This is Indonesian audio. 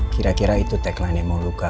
kira kira itu taglinenya moluka